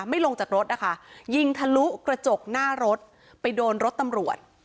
ลงจากรถนะคะยิงทะลุกระจกหน้ารถไปโดนรถตำรวจ